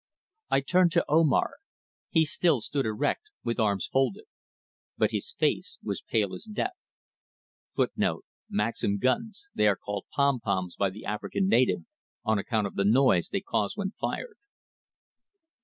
I turned to Omar. He still stood erect, with arms folded. But his face was pale as death. [Footnote A: Maxim guns. They are called "pom poms" by the African natives on account of the noise they cause when fired.